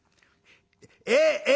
「ええ